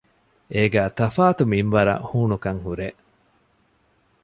އޭގައި ތަފާތު މިންވަރަށް ހޫނުކަން ހުރޭ